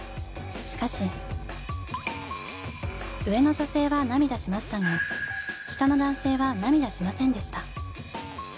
しかし上の女性は涙しましたが下の男性は涙しませんでした。